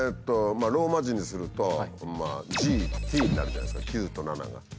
ローマ字にすると「ｇ」「Ｔ」になるじゃないですか「９」と「７」が。